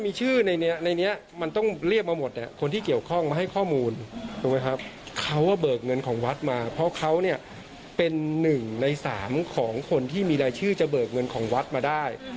เพราะว่าเป็นหนึ่งในสามของคนที่มีรายชื่อจะเบิกเงินของวัฒน์มาได้